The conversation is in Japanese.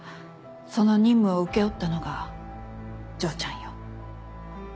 その任務を請け負ったのが丈ちゃんよ。